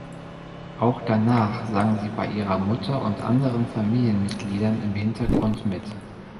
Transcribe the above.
Auch danach sang sie bei ihrer Mutter und anderen Familienmitgliedern im Hintergrund mit.